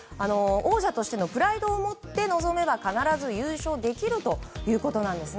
王者としてのプライドを持って臨めば必ず優勝できるということです。